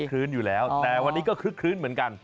คลื้นอยู่แล้วแต่วันนี้ก็คึกคลื้นเหมือนกัน